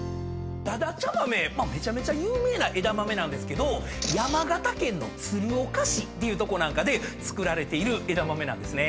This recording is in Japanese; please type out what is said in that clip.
だだちゃ豆めちゃめちゃ有名な枝豆なんですけど山形県の鶴岡市っていうとこなんかで作られている枝豆なんですね。